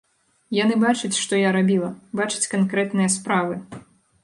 Яны бачаць, што я рабіла, бачаць канкрэтныя справы.